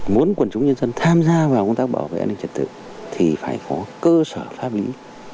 muốn quần chúng nhân dân tham gia vào công tác bảo vệ an ninh trật tự thì phải có cơ sở pháp lý